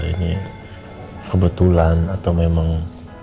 ini kebetulan atau memang